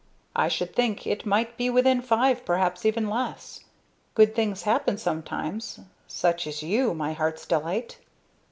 "I should think it might be within five, perhaps even less. Good things happen sometimes such as you, my heart's delight."